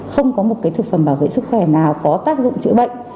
không có một thực phẩm bảo vệ sức khỏe nào có tác dụng chữa bệnh